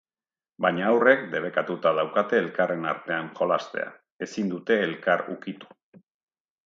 Baina haurrek debekatuta daukate elkarren artean jolastea, ezin dute elkar ukitu.